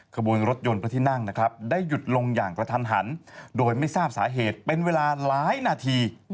ขบวนรถยนต์พระที่นั่งนะครับได้หยุดลงอย่างกระทันหันโดยไม่ทราบสาเหตุเป็นเวลาหลายนาที